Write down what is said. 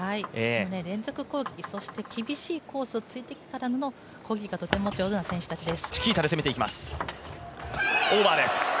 連続攻撃、厳しいコースを突いてきてからの攻撃がとても上手な選手たちです。